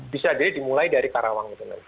bisa jadi dimulai dari karawang itu nanti